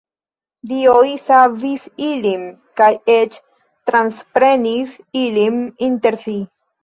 Dioj savis ilin kaj eĉ transprenis ilin inter si.